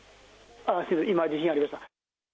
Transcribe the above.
今、地震ありました。